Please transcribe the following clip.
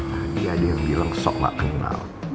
tadi ada yang bilang sok gak kenal